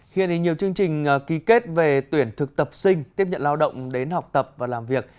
hiện thì nhiều chương trình ký kết về tuyển thực tập sinh tiếp nhận lao động đến học tập và làm việc